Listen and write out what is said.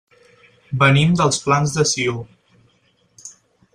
Venim dels Plans de Sió.